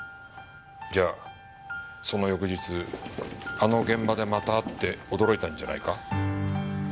じゃあその翌日あの現場でまた会って驚いたんじゃないか？